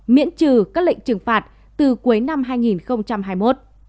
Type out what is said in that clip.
miễn trừ các lệnh trừng phạt từ cuối năm hai nghìn hai mươi một